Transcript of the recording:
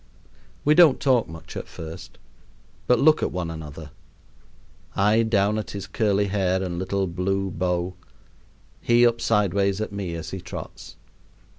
We don't talk much at first, but look at one another; I down at his curly hair and little blue bow, he up sideways at me as he trots.